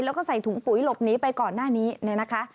แล้วก็ใส่ถุงปุ๋ยหลบหนีไปก่อนหน้านี้เนี่ยนะคะ